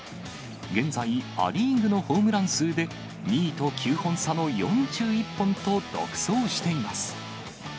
現在、ア・リーグのホームラン数で２位と９本差の４１本と独走しています。